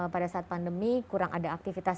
pada saat pandemi kurang ada aktivitas